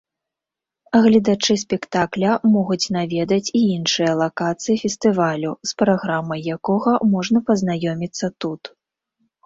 Гледачы спектакля могуць наведаць і іншыя лакацыі фестывалю, з праграмай якога можна пазнаёміцца тут.